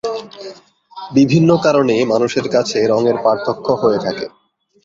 বিভিন্ন কারণে মানুষের কাছে রঙের পার্থক্য হয়ে থাকে।